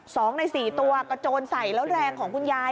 สองในสี่ตัวกระโจนใส่แล้วแรงของคุณยาย